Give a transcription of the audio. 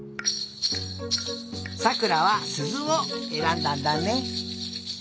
さくらはすずをえらんだんだね。